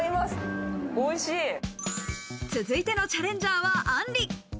続いてのチャレンジャーは、あんり。